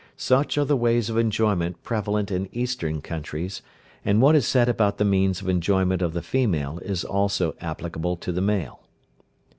Such are the ways of enjoyment prevalent in Eastern countries, and what is said about the means of enjoyment of the female is also applicable to the male.